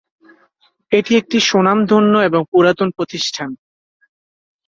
এটি একটি স্বনামধন্য ও পুরাতন প্রতিষ্ঠান।